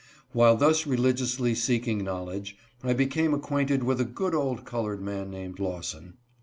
While thus religiously seeking knowledge, I be came acquainted with a good old colored man named Law son.